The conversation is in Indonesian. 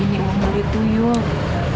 ini uang dari tuyul